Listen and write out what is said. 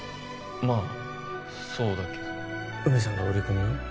まあそうだけど海さんが売り込みを？